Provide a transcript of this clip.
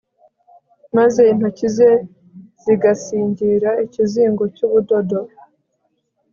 maze intoki ze zigasingira ikizingo cy'ubudodo